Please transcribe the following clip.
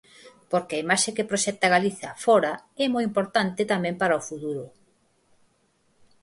Porque a imaxe que proxecta Galicia fóra é moi importante tamén para o futuro.